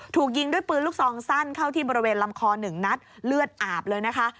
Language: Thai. ถูกยิงด้วยปืนลูกซองสั้นเข้าที่บริเวณลำคอหนึ่งนัดเลือดอาบเลยนะคะ